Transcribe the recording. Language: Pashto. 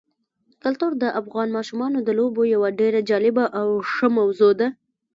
کلتور د افغان ماشومانو د لوبو یوه ډېره جالبه او ښه موضوع ده.